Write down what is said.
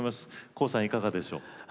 ＫＯＯさんいかがでしょう？